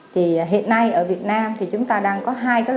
thì hiện nay ở việt nam thì chúng ta đang có hai cái bệnh ung thư cổ tử cung